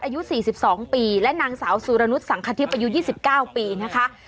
อายุ๔๒ปีและนางสาวสุรนุษยสังคทิพย์อายุ๒๙ปีนะคะ